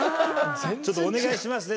ちょっとお願いしますね